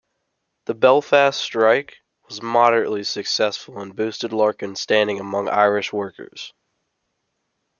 The Belfast strike was moderately successful and boosted Larkin's standing among Irish workers.